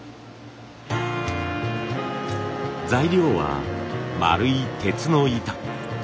材料は丸い鉄の板。